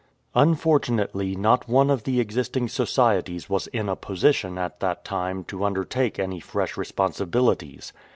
Unfortunately not one of the existing societies was in a position at that time to undertake any fresh responsi bilities.